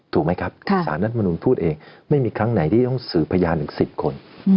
ถูกไหมครับสารรัฐมนุนพูดเองไม่มีครั้งไหนที่ต้องสื่อพยานถึง๑๐คน